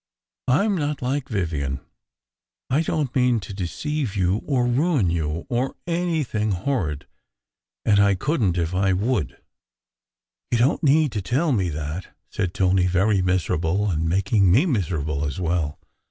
I m not like Vivien. I don t mean to deceive you, or ruin you, or anything horrid. And I couldn t if I would !" "You don t need to tell me that," said Tony, very miserable, and making me miserable as well.